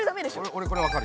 オレこれ分かる。